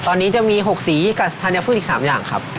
ตอนนี้จะมี๖สีกับธัญพืชอีก๓อย่างครับ